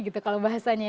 gitu kalau bahasanya